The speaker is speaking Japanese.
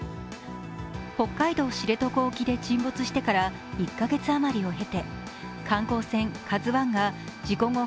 北海道・知床沖で沈没してから１カ月あまりを経て観光船「ＫＡＺＵⅠ」が事故後